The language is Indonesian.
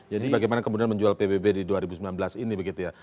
jadi bagaimana kemudian menjual pbb di dua ribu sembilan belas ini begitu ya